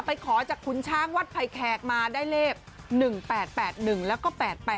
ขอจากคุณช้างวัดไผ่แขกมาได้เลข๑๘๘๑แล้วก็๘๘